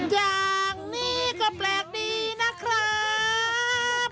อย่างนี้ก็แปลกดีนะครับ